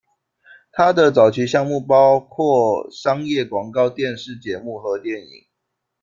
他的早期项目包括商业广告、电视节目和电影。